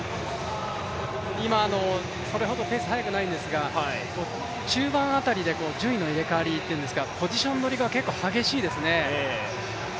それほどペース速くないんですが中盤あたりで順位の入れ替わり、ポジション取りが激しいですね。